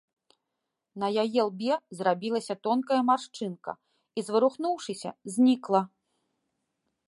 На яе лбе зрабілася тонкая маршчынка і, зварухнуўшыся, знікла.